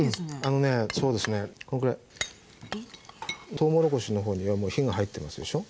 とうもろこしの方にはもう火が入ってますでしょ？